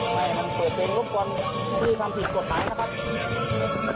ทำไมมันเปลี่ยนเป็นลูกความที่ทำผิดกฎศาสตร์นะครับ